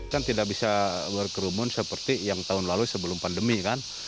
kan tidak bisa berkerumun seperti yang tahun lalu sebelum pandemi kan